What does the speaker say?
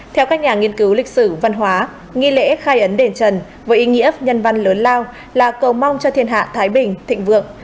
theo các nhà nghiên cứu lịch sử văn hóa nghi lễ khai ấn đền trần với ý nghĩa nhân văn lớn lao là cầu mong cho thiên hạ thái bình thịnh vượng